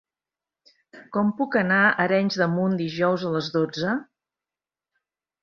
Com puc anar a Arenys de Munt dijous a les dotze?